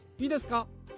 いいですか？